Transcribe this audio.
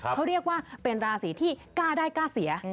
เขาเรียกว่าเป็นราศีที่กล้าได้กล้าเสีย